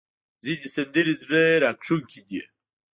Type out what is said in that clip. ځینې سندرې زړه راښکونکې دي.